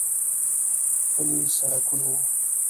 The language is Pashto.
پلي سړکونه و.